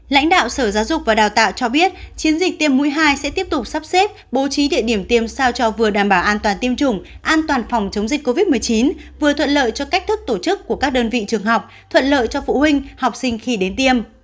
lãnh đạo sở giáo dục và đào tạo cho biết chiến dịch tiêm mũi hai sẽ tiếp tục sắp xếp bố trí địa điểm tiêm sao cho vừa đảm bảo an toàn tiêm chủng an toàn phòng chống dịch covid một mươi chín vừa thuận lợi cho cách thức tổ chức của các đơn vị trường học thuận lợi cho phụ huynh học sinh khi đến tiêm